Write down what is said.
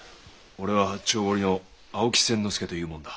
俺は八丁堀の青木千之介という者だ。